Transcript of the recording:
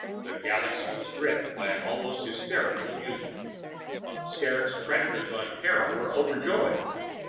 The Galaxy was gripped by an almost hysterical amusement. Skrrgck's creditors on Terra were overjoyed.